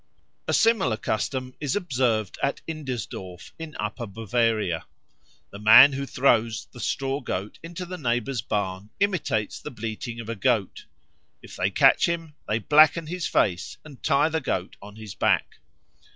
A similar custom is observed at Indersdorf, in Upper Bavaria; the man who throws the straw Goat into the neighbour's barn imitates the bleating of a goat; if they catch him, they blacken his face and tie the Goat on his back.